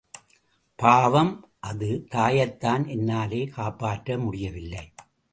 பாவம், அது தாயைத்தான் என்னாலே காப்பாற்ற முடியவில்லை.